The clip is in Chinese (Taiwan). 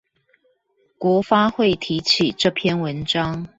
國發會提起這篇文章